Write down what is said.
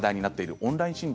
オンライン診療